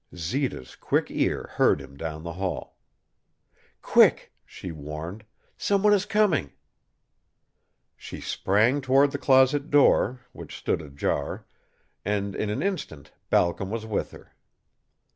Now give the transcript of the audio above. Zita's quick ear heard him down the hall. "Quick!" she warned. "Some one is coming!" She sprang toward the closet door, which stood ajar, and in an instant Balcom was with her.